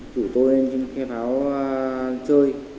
chủ tôi lên khe pháo chơi